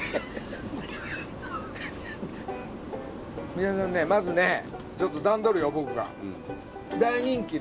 水谷さんねまずねちょっと段取りを僕が。